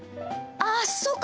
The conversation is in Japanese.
ああそうか！